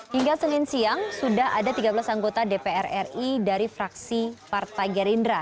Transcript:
hingga senin siang sudah ada tiga belas anggota dpr ri dari fraksi partai gerindra